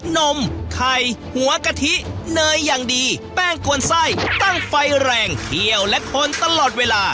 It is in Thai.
นมไข่หัวกะทิเนยอย่างดีแป้งกวนไส้ตั้งไฟแรงเคี่ยวและคนตลอดเวลา